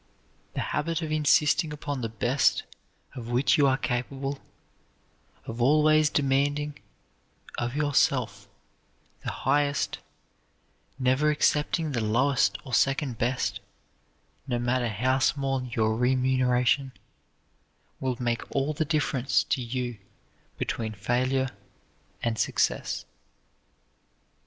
The habit of insisting upon the best of which you are capable, of always demanding of yourself the highest, never accepting the lowest or second best, no matter how small your remuneration, will make all the difference to you between failure and success.